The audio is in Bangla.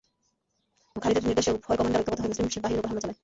খালিদের নির্দেশে উভয় কমান্ডার ঐক্যবদ্ধ হয়ে মুসলিম বাহিনীর উপর হামলা চালায়।